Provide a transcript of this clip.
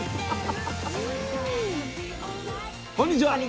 こんにちは。